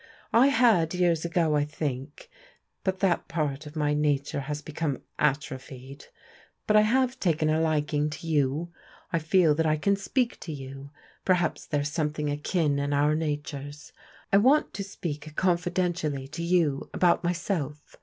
I had years ago, I think; but that part of my nature has become atrophied. But I have taken a liking to you. I feel that I can speak to you; perhaps there's something akin in our natures. I want to speak confidentially to you about myself.